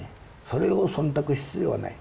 それを忖度必要はない。